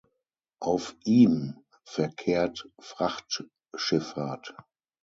Auf ihm verkehrt Frachtschifffahrt.